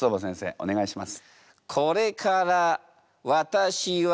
お願いします。